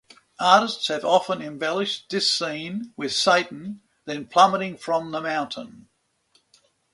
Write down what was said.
Artists have often embellished this scene with Satan then plummeting from the mountain.